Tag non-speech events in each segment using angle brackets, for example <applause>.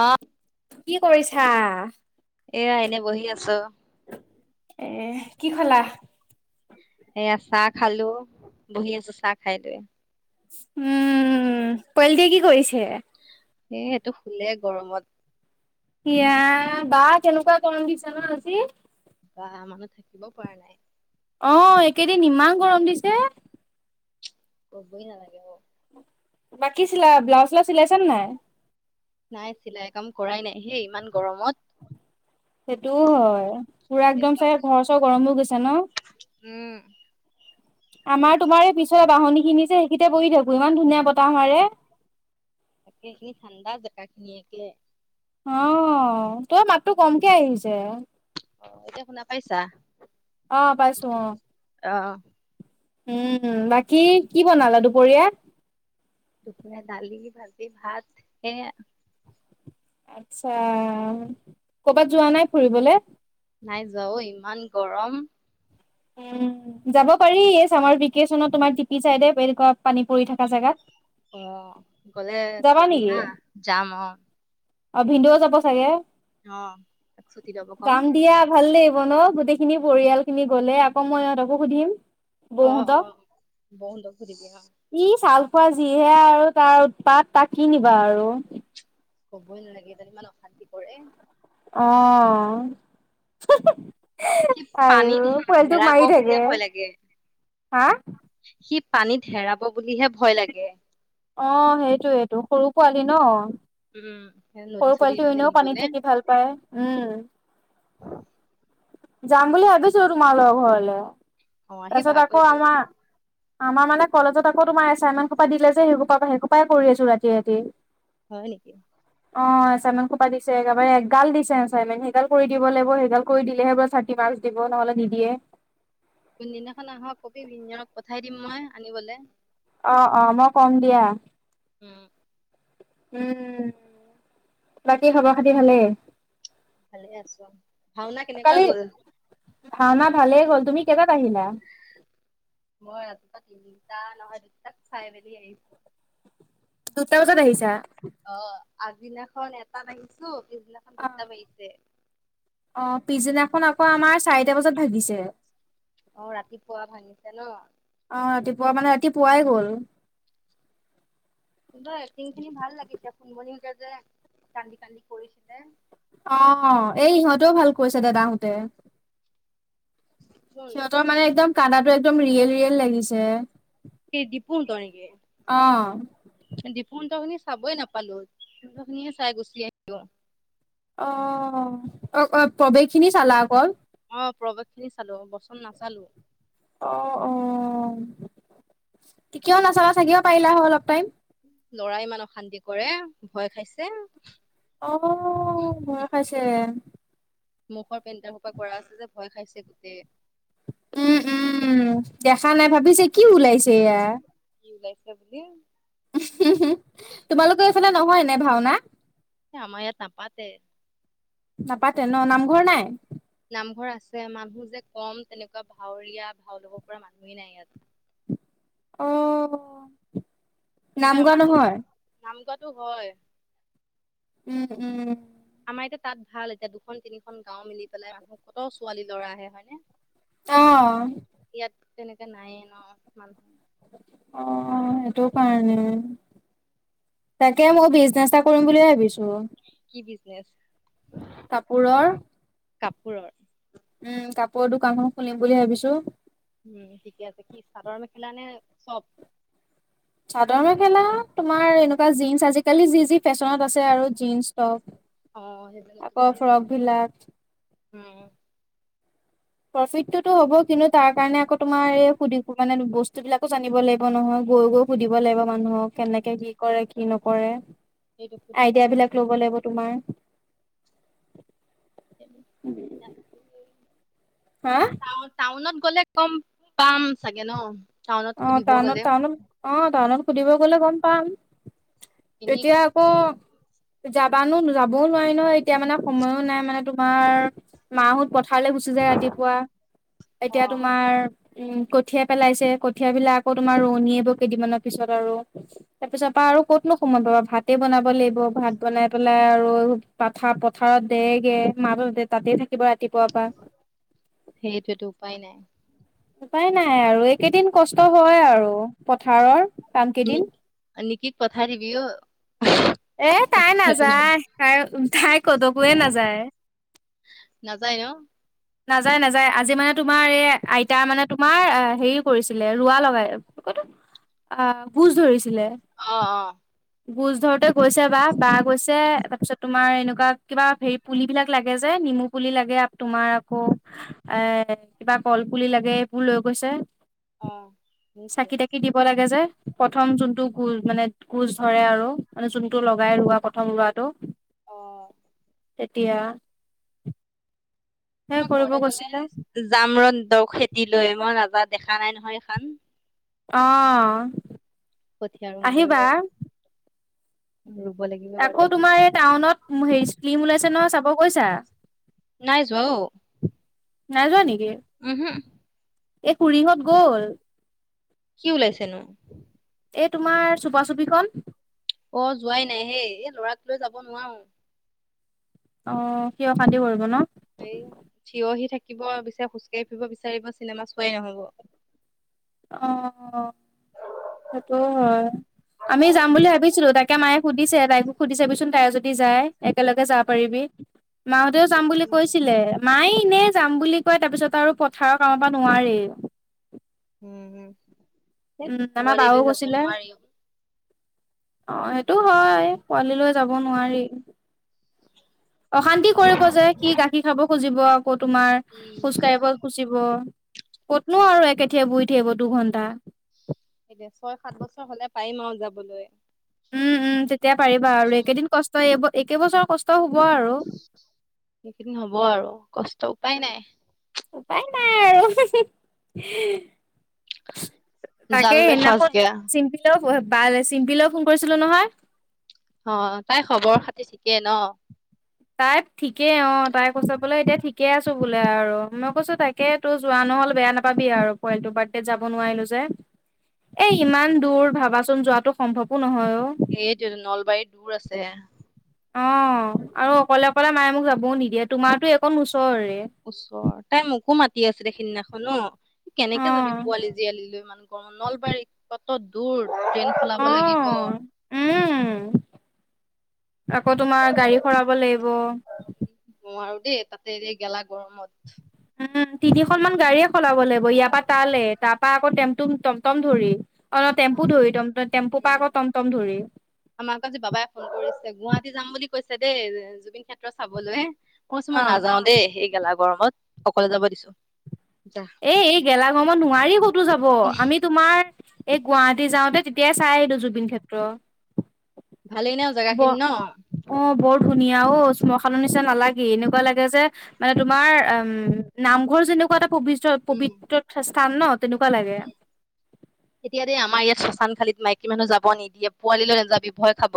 আ। কি কৰিছা? এয়া এনে বহি আছো এহ, কি খলা? এয়া চাহ খালো। বহি আছো চা খাই টোৱে উম, পৱেলটি কি কৰিছে? এ, এটো খুলে গৰমত। হিয়া বা কেনেকুৱা গৰম দিছে ন' আজি। বা মানুহ থাকিব পৰা নাই। অ', একেদিন ইমান গৰম দিছে। ক'বই নালাগে হ। বাকী চিলা ব্লাউ চা চিলাইছা না নাই? নাই চিলাই কাম কৰাই নাই। হে ইমান গৰমত। সেইটোও হয়। পুৰা এই একদম ব্লাউজ চাই ঘৰ চৰ গৰম গৈছে ন'? উম। আমাৰ তোমাৰ এই পিছৰে বাহনিখিনি যে সেকিতে বহি থাকো ইমান ধুনীয়া বতাহ মাৰে। তাকে সে ঠাণ্ডা জেকাখিনিয়েকে। অ', তৰ মাতটো কমকে আহিছে। এতিয়া শুনা পাইছা? অ' পাইছো অ'। অ'। উম, বাকী কি বনালা দুপৰীয়া? দুপৰীয়া দালি, ভাজি, ভাত হে আ আচ্ছা। ক'বাত যোৱা নাই ফুৰিবলে? নাই যোৱা অ', ইমান গৰম। উম, যাব পাৰি এই চামাৰ ভিকেচনত তোমাৰ টিপি চাইডে <unintelligible> পানী পৰি থাকা জাগাত। অ', গ'লে কবি নেকি হা যাম অ'। অ', ভিন্দেও যাব চাগে? অ', এক, ছুটি ল'ব কম। ব'ন গোটেইখিনি পৰিয়ালখিনি গ'লে আকৌ মই ইহঁতকো সুধিম। অ', বৌহঁতক অ', বহুলক সুধিবি অ'। ই ছাল খোৱা যিহে আৰু তাৰ উৎপাত তাক কি নিবা আৰু। ক'বই নালাগে যেন ইমান অশান্তি কৰে। অ'। সি আইও পানীত পোৱালিটোক হেৰাব মাৰি বুলিয়ে থাকে ভয় লাগে। হা সি পানীত হেৰাব বুলিহে ভয় লাগে। অ', সেইটোৱেটো সৰু পোৱালি ন'। উম নদী সৰু চদী পোৱালিটো পিনে এনেও নিবলে পানীত থাকি ভাল পায়। উম। যাম বুলি ভাবিছোঁ তোমালৈ ঘৰলে। অ', আহিবা তাৰপিছত আকৌ এটো আমাৰ আমাৰ মানে কলেজত আকৌ তোমাৰ এচাইমেন খোপা দিলে যে, সেই খোপা পা সেই খোপাই কৰি আছো ৰাতি ৰাতি। হয় নেকি। অ', এচাইনমেন খোপা দিছে। এগেবাৰে এগাল দিছে এচাইনমেন সেইডাল কৰি দিব লাগিব, সেইগাল কৰি দিলেহে বাচ থাৰ্টি মাস্ক দিব নহ'লে নিদিয়ে। কোনদিনাখন আহ' কবি বিঞ্জনক পঠাই দিম মই আনিবলে। অ', অ', মই কম দিয়া। উম উম, বাকী খবৰ খাতি ভালে? ভালে আছো। ভাওনা কেনেকুৱা কালি গ'ল? ভাওনা ভালে হ'ল। তুমি কেইটাত আহিলা? মই ৰাতিপুৱা তিনিটা নহয় দুটাক চাই মেলি আহিছোঁ। দুটাওত দেিছা আগদিনাখন এটা লিছো পিছদিনাখন অ' দুটা বা়িছে অ পিছদিনাখন আকৌ আমাৰ চাৰিটা বজাত ভাগিছে। অ ৰাতিপুৱা ভাঙিছে ন এতি পোৱাই গ'ল এক্টিং খিনি ভাল লাগিছে ফুোনব যে কান্দি কান্দি কৰিছিলে অ এই ইহঁতেও ভাল কৰিছে দাদাহোতে কোন সিহঁতৰ মানে একদম কদাটো একদম ৰিয়েল ৰিয়েল লাগিছে সেই দিপু ত নেক অ', ডপুহন্ত খিনি চাবই নাপালো খিনিহে চাই গুচি আহো অ অ অ প্ৰৱেশ খিনি চালা অকল অ প্ৰৱেশ খিনি চালো বচন নাচালো অ অ কেয়াও নচলা থাকিব পাৰিলা হ অলপ টাইম লৰাই ইমান অশান্তি কৰে ভয় খাইছে আহ বয় আছে মুখৰ পেণ্টাৰ সোপা কৰা আছে যে ভয় খাইছে গোটেই উম উম উম দেখা নাই ভাবিছে কি ওলাইছে এয়া বলে তোমালোকৰ এইফালে নহয় নে ভাওনা আম ইয়াত ন পতে নাপাতে ন নামঘৰ নাই নামঘৰ আছে মানুহ যে কম তেনেকুৱা ভাাৱৰীয়া ভাও ল'ব পৰা মানুহেই নাই ইয়াত আহ এয়া আমাৰ নামঘোৱাটো হয় উম উম আমাৰ এতিয়া তাত ভাল এতিয়া দুখন তিনিখন গাঁও মিলি পেলাই মানুহ কত ছোৱালী ল'ৰা আহে হয়নে আহ ইয়াত তেনেকে নায়য়ে ন মানুহ অ সেইটো কাৰণে তাকে মই বিজ চা কৰিম বুলিুলিয়ে ভাবিছো বিনেছ কাপোৰৰ কাপৰৰ উম কাপোৰৰ দোকানখন খুলিম বুলি ভাবিছো উম ঠিকে আছে কি চাদৰ মেখেলা নে চব চাদৰ মেখেলা তোমাৰ এনেকুৱা জীন্ আজিকালি যি যি ফেশ্বনত আছে আৰু জীন্স টপ আকৌ অ ফ্ৰক বিলাক সেই উম প্ৰফিিত টোতো হ'ব কিন্তু তাৰ কাৰণে আকৌ তোমাৰ এই সুধো মানে বস্তু বিলাকো জানিব লাগিব নহয় গৈ গৈ সুধিব লাগিব মানুহক কেনেকে কি কৰে কি নকৰে সেইটো সুধিব আইডিয়া লাগিব। বিলাক লব লাগিব তোমাৰ হা টাউনত ক'লে কম পাম চাগে ন টাউনত অ সুধিব টাউনত গ'লে টাউনত অ টাউনত সুধিব গলে গম পাম এনেই এতিয়াকৌ যাবানো যাবও নোৱাৰি ন এতিয়া মানে সময়ো নাই মানে তোমাৰ মাহত থাৰলৈ গুচি যায় ৰাতিপুৱা অ এতিয়া তোমাৰ উম কঠিয়াই পেলাইছে কঠিয় বিিলাক আকৌ তোমাৰ ৰনী আহ কেইদিনমানৰ পিছত আৰু তাৰ পিছত পা আৰু ক'তনো সময়ত পাবা ভাতে বন চাব লাগিব ভাত বনাই পেলাই আৰু পথাৰ পথাৰত দেগে মা তাতে থাকিব ৰাতিপুৱা পোৱাাবা সেইটোৱেতো উপায় নাই উপাই নাই আৰু এইকেইদিন কষ্ট হয় আৰু, পথাৰৰ কাম কেইদিন। নকিক পঠাই দিবি অ'। এ তাই নাযায়, তাই তাই কলৈকোয়ে নাযায়। নাযায় ন? নাযায় নাযায়, আজি মানে তোমাৰ এই আইতা মানে তোমাৰ হেৰি কৰিছিলে, ৰোৱা লগাই অ' গোজ ধৰিছে। অ' অ' গোজ ধৰোতে গৈছে বা, বা গৈছে তাৰপিছত তোমাৰ এনেকুৱা কিবা হেৰি পুলিবিলাক লাগে যে, নেমু পুলি লাগে তোমাৰ আকৌ এ কিবা কল পুলি লাগে এইবোৰ লৈ গৈছে। অ' চাকি নিশ্চয় তাকি দিব লাগে যে। প্ৰথম যোনটো গোজ মানে গোজ ধৰে আৰু, মানে যোনটো লগাই ৰোৱা প্ৰথম ৰোৱাটো অ তেতিয়া সেই তোমাৰ কৰিব ঘৰেলে গ'ল যেন গৈছিলে পাইছো। জাম ৰ দ খেতি লৈ মই নাজাত দেখা নাই নহয় এইখান। আহ কঠিয় ৰোং গৈ ৰ। ৰুব লাগিব এবাৰ আকৌ গলে তোমাৰ এই টাউনত হেৰি স্পিম ওলাইছে ন চাব গৈছা? নাই যোৱা অ'। নাই যোৱা নেকি? উহু এই খুুৰীহ'ত গ'ল। কি ওলাইছেনো? এই তোমাৰ চুপা চুপিখন অ', যোৱাই নাই হেই, এই ল'ৰা তাক লৈ যাব নোৱাৰোঁ। অ', সি অশান্তি কৰিব ন'? সেই, থিয় হৈ থাকিব বিচাৰিব, খোজকাঢ়ি থাকিব বিচাৰিব, চিনেমা চোৱাই নহ'ব। অ', সেইটো হয়। আমি যাম বুলি ভাবিছিলো। তাকে মায়ে সুধিছে, তাইকো সুধি চাবিচোন, তাই যদি যায়। একেলগে যাব পাৰিবি। মাহঁতেও যাম বুলি কৈছিলে। মাই এনে যাম বুলি কয়, তাৰ পিছত আৰু পথাৰৰ কামৰ পৰা নোৱাৰে। উম, হেই, আমাৰ পোৱালি বাও লৈ যাব কৈছিলে নোৱাৰিও। অ', সেইটোও হয় পোৱালি লৈ যাব নোৱাৰি। অশান্তি কৰিব যে, সি গাখীৰ খাব খুজিব, আকৌ তোমাৰ উম খোজ কাঢ়িব খুজিব। ক'তনো আৰু একেথিৰে বহি থাকিব দুঘন্টা। এতিয়া ছয়-সাত বছৰ হ'লে পাৰিম আৰু যাবলে। উম, উম, তেতিয়া পাৰিবা আৰু, একেদিন কষ্ট, এই কেবছৰ কষ্ট হ'ব আৰু এইকেই দিন হ'ব আৰু কষ্ট, উপায় নাই। উপায় নাই আৰু, হেহে। জাল তাকে, মে ফাচ সেইদিনাখন গয়া অ চিম্পিলৈ, বালৈ, চিম্পিলৈ ফোন কৰিছিলো নহয়। অ', তাই খবৰ-খাতি ঠিকে ন'? তাই ঠিকেই। অ', তাই কৈছে বোলে এতিয়া ঠিক কে আছো বোলে আৰু, মই কৈছো তাকে তোৰ যোৱা নহ'ল, বেয়া নাপাবি আৰু, পোৱালিটোৰ বাৰ্থডেত যাব নোৱাৰিলো যে। এই ইমান দূৰ ভাবাচোন, যোৱাটো সম্ভৱো নহয় অ'। এইটোৱেটো নলবাৰী দূৰ আছে। অ', আৰু অকলে অকলে মায়ে মোক যাবওঁ নিদিয়ে। তোমাৰতো এইকণ ওচ ওচৰ। তাই মোকো মাতি আছিলে, সিদিনাখন ন'। অ কেনেকৈ যাবি পোৱালি জীয়ালি লৈ ইমান অ', নলবাৰী কত দূৰ, ট্ৰেইন অ সলাব লাগিব উম আকৌ তোমাৰ গাড়ী সলাব লাগিব সেই তাতে এই গেলা গৰমত উম, তিনিখনমান গাড়ীয়ে সলাব লাগিব, ইয়াৰ পৰা তালে, তাৰাপা আকৌ টেম্প' <unintelligible> টমটম ধৰি, অ' টেম্পু ধৰি, টমম-টেম্পু পৰা আকৌ টমটম ধৰি। আমাক আজি বাবাই ফোন কৰিছে, গুৱাহাটী যাম বুলি কৈছে দেই, জুবিন ক্ষেত্ৰ চাবলে, মই কৈছোঁ, অ মই নাযাওঁ দেই, এই গেলা গৰমত, অকলে যাব দিছোঁ। এ, এই গেলা গৰমত নোৱাৰি ক'তো যাব, আমি তোমাৰ এই গুৱাহাটী যাওঁতে, তেতিয়াই চাই আহিলোঁ জুবিনক্ষেত্ৰ। ভালেই ন', জেগাখিনি ন'? ধুনীয়াও, শ্মশানৰ নিচিনা নালাগে, এনেকুৱা লাগে যে মানে তোমাৰ, উম, নামঘৰ যেনেকুৱা এটা পবি প- উম পবিত্ৰ স্থান ন', তেনেকুৱা লাগে। এতিয়া দেই আমাৰ ইয়াত শশান খালীত মাইকী মানুহ যাব নিদিয়ে, পোৱালী নাযাবি, ভয় খাব।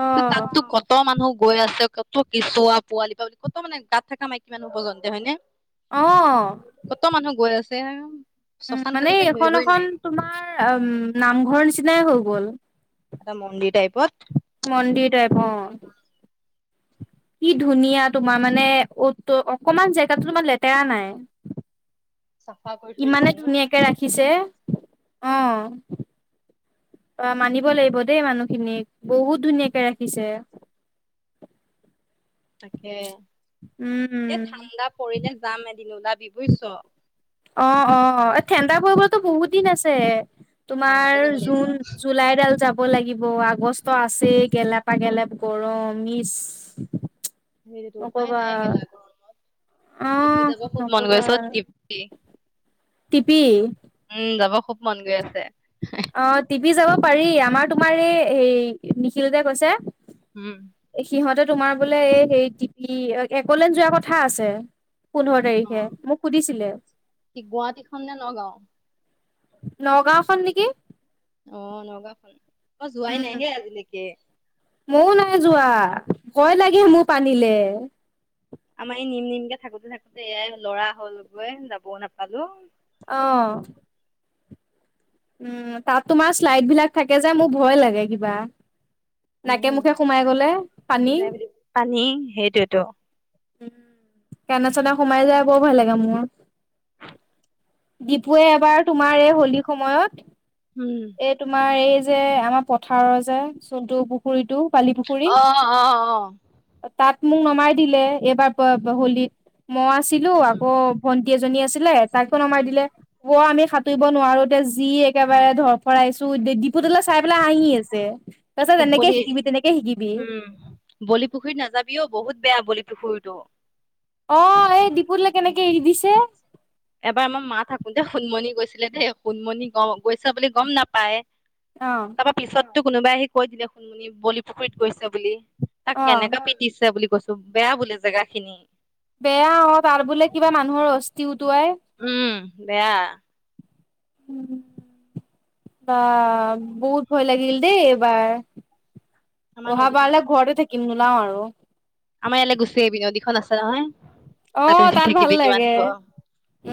অ তাততো কত মানুহ গৈ আছে, কত কেঁচুৱা-পোৱালি প-কত মানে গাত থকা মাইকীমানুহ পৰ্যন্ত, হয়নে? অ কত মানুহ গৈ আছে। উম, শশান মানে খালী বুলি এইখন ধৰিবই এখন নোৱাৰি তোমাৰ, উ, নামঘৰ নিচিনাই হৈ গ'ল। এটা মন্দিৰ টাইপ। মন্দিৰ টাইপ, অ'। কি ধুনীয়া, তোমাৰ মানে অ'-ত-অকমান জেগাতো, তোমাৰ লেতেৰা নাই। <inaudible> চাফা কৰি থৈ দিছে ইমানে ন ধুনীয়াকে ৰাখিছে, অ'। অ', মানিব লাগিব দেই মানুহখিনিক, বহুত ধুনীয়াকে ৰাখিছে। <inaudible> তাকে, এ উম ঠাণ্ডা পৰিলে যাম এদিন ওলাবি বুজিছ। অ' অ' ঠাণ্ডা পৰিবতো বহুত দিন আছে। তোমাৰ ঠাণ্ডাতে যাব লাগিব জুন জুলাইডাল যাব হব লাগিব আগষ্ট আছেই গেলপা গেলপ গৰম ইচ। হেইৰিটো উপায় নকবা নাই গেলা গৰমত। মোৰ টিপি আহ যাব খুব মন নকবা গৈছে, অ' টিপি, টিপি উম। যাব খুব মন গৈ আছে। অ' টিপি যাব পাৰি, আমাৰ তোমাৰ এই হে নিখিল কৈছে। উম সিহঁতে তোমাৰ বোলে এই হে টিপি একলেন যোৱা কথা আছে। পোন্ধৰ অ তাৰিখে মোক সুধিছিলে। কি গুৱাহাটীখন নে নগাঁও নগাঁওখন নেকি। অ' নগাও খন মই যোৱাই নাইহে আজিলৈকে। ময়ও নাই যোৱা, ভয় লাগে মোক আনিলে। আমাৰ এই নিম নিমকে থাকোতে থাকোতে, এয়াই লৰা হলগৈ যাবও নাপালো। আহ। উম তাত তোমাৰ শ্লাইড বিলাক থাকে যে মোৰ ভয় লাগে কিবা। নাকে উম, মুখে সোমাই গলে পানী। যাই বুলি পানী সেইটোৱেতো উ কোনা চানা সোমাই যাই বৰ ভাল লাগে মোৰ। দপুৱুৱে এবাৰ তোমাৰ এই হোলীৰ সময়ত, উম এই তোমাৰ এই যে আমাৰ পথাৰৰ যে চুলটো পুখুৰীতটো। আহ আহ আহ। তাত মোক নমাই দিলে এইবাৰ হোলীত মই আছিলো উম আকৌ ভ এজনী আছিলে তাকো নমাই দিলে, উম প আমি নোৱাৰোতি যি একেবাৰে ধৰ ফৰাইছো। পুতলা চাই পেলাই হাঁহি আছে, তাৰপিছত তেনেকে শিকিবি তেনেকে শিকিবি। বলিপুখুৰীত নাযাবিও বহুত বেয়া বলিপুখুৰীতটো। অ এই ডিপুতলে কেনেকে এৰি দিছে এবাৰ আমাৰ মা থাকোতে সোননমণি গৈছিলে দেই, সুনমনি গৈছে বুলি গম নাপায়। অ তাৰপা পিছততো কোনোবাই আহি কৈ দিলে শুনমনি বলিপুখুৰীত গৈছে বুলি তাক অ কেনেকে পিটিছে বুলি কৈছো বেয়া বোলে জেগা খিনি বেয়া অ তাৰ বোলে কিবা মানুহৰ অস্থি উটুৱাই উম বেয়া বা বহুত ভয় লাগিল দেই এবাৰ আমাৰ অহা নদীখনত বাৰলে ঘৰতে থাকিম নোলাও আৰু আমাৰ ইয়ালৈ গুচি আহিবি নদীখন আছে নহয় অ তাতে যি তাত ভাল থাকিবি কিমান ধ লাগে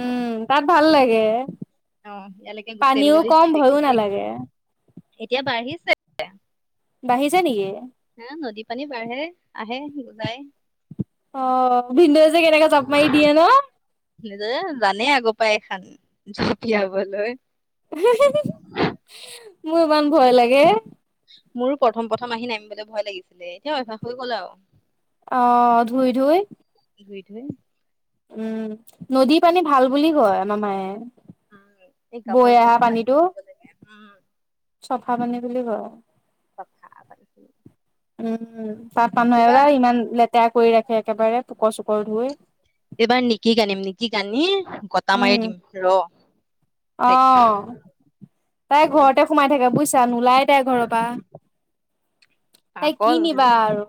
উম তাত ভাল লাগে অ ইয়ালৈকে গুচাই পেল পানীও কম থাক ভয়ো নালাগে এতিয়া বাঢ়িছে বাঢ়িছে নেকি হা নদী পানী বাঢ়ে আহে বুজাই অ ভিন্দয়ে যে কেনেকে জাপ মাৰি দিয়ে ন নিজে জানেই আগৰ পৰাই এখন জপিয়াবলৈ মোৰ ইমান ভয় লাগে মোৰো প্ৰথম প্ৰথম আহি নামিবলৈ ভয় লাগিছিলে এতিয়া অভ্যাস হৈ গ'ল আৰু অ ধুই ধুই ধুই ধুই উম নদী পানী ভাল বুলি কয় আমা মায়ে উম এই বৈ গাভৰুত অহা লগৰ পানী পানীটো আনিব লাগে উম চফা পানী বুলি কয় তথা আ তহ উম চাহ পানহয় বা ইমান লেতেৰা কৰি ৰাখে একেবাৰে পোকৰ চোকৰ ধুই এইবাৰ নিকিক আনিম নিকি আনি গটা উম মাৰি দিম ৰ অ তাইক তাই ঘৰতে সোমাই থাকে বুজিছা নোলাই তাই ঘৰৰ পৰা এ কি পাগল নিবা দুজনী আৰু